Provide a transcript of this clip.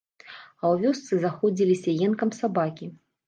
А ў вёсцы заходзіліся енкам сабакі.